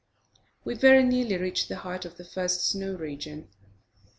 We very nearly reached the height of the first snow region.